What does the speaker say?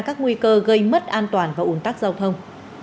các nguy cơ gây mất an toàn và ủn tắc giao thông